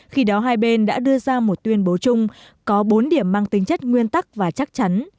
khi đó hai bên đã đưa ra một tuyên bố chung có bốn điểm mang tính chất nguyên tắc và chắc chắn